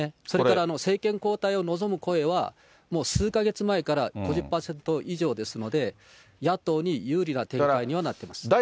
それから、政権交代を望む声は、もう数か月前から５０％以上ですので、野党に有利な展開にはなっています。